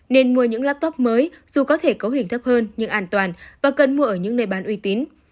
nên mua những laptop mới dù có thể cấu hình thấp hơn nhưng an toàn và cần mua ở những nơi bán uy tín